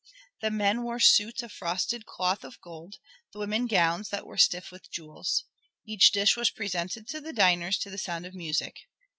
The men wore suits of frosted cloth of gold, the women gowns that were stiff with jewels. Each dish was presented to the diners to the sound of music.